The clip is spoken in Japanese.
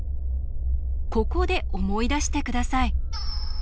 ここで思い出して下さい。